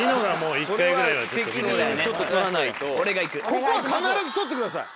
ここは必ず取ってください。